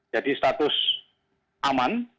jadi status aman